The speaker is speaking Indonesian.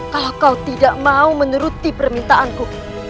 kalau kau tidak mau menuruti permintaanku